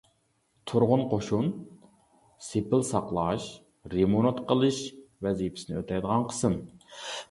تۇرغۇن قوشۇن: سېپىل ساقلاش، رېمونت قىلىش ۋەزىپىسىنى ئۆتەيدىغان قىسىم.